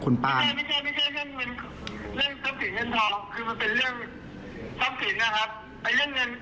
ไม่ใช่